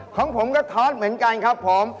ของผมก็ทอดเหมือนกันครับผม